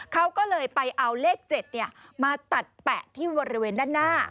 เขาก็เลยไปเอาเลข๗มาตัดแปะที่บริเวณด้านหน้า